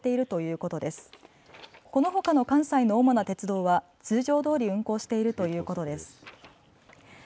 このほかの関西の主な鉄道は通常どおり運行しているということです。